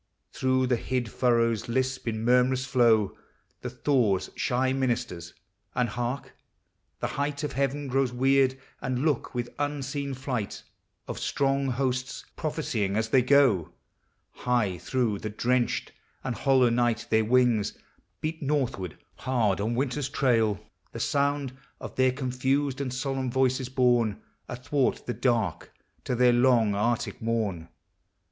Through the hid furrows lisp in murmurous flow The thaw's shy ministers; and hark! The height Of heaven grows weird and loud with unseen flight Of strong hosts prophesying as they go ! High through the drenched and hollow night their wings Beat northward hard on winter's trail. The sound Of their confused and solemn voices, borne Athwart the dark to their long arctic morn.